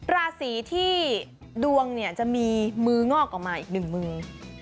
ราศีที่ดวงเนี่ยจะมีมืองอกออกมาอีกหนึ่งมือ